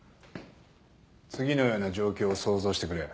次のような状況を想像してくれ。